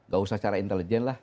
gak usah secara intelijen lah